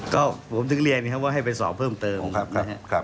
ก็ผมถึงเรียนให้เขาให้ไปสอบเพิ่มเติมนะครับ